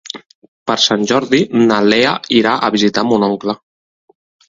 Per Sant Jordi na Lea irà a visitar mon oncle.